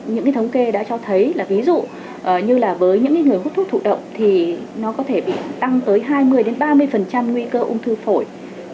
những thống kê đã cho thấy là ví dụ như là với những người hút thuốc thụ động thì nó có thể bị tăng tới hai mươi ba mươi nguy cơ ung thư phổi